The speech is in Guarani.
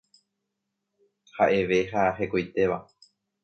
Ha'eve ha hekoitéva.